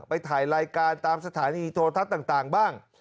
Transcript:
ไปถ่ายรายการตามสถานีโทรทัศน์ต่างบ้าง